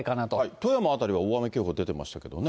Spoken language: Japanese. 富山辺りは大雨警報出てましたけどね。